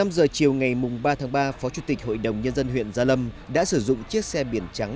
một mươi giờ chiều ngày ba tháng ba phó chủ tịch hội đồng nhân dân huyện gia lâm đã sử dụng chiếc xe biển trắng